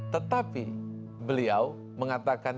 tetapi beliau mengatakan